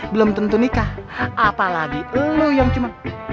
belum tentu nikah apalagi lo yang cuma